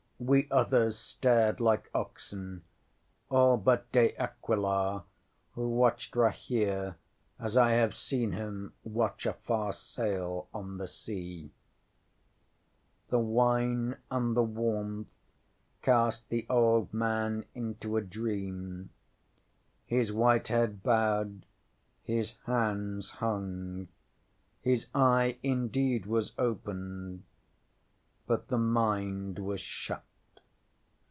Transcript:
We others stared like oxen, all but De Aquila, who watched Rahere as I have seen him watch a far sail on the sea. ŌĆśThe wine and the warmth cast the old man into a dream. His white head bowed; his hands hung. His eye indeed was opened, but the mind was shut.